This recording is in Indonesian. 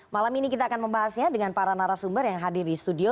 malam ini kita akan membahasnya dengan para narasumber yang hadir di studio